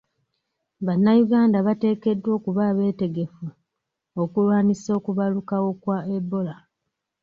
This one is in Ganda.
Bannayuganda bateekeddwa okuba abeetegefu okulwanisa okubalukawo kwa ebola.